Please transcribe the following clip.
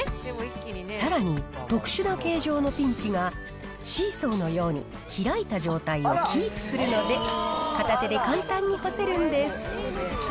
さらに、特殊な形状のピンチが、シーソーのように開いた状態をキープするので、第１位。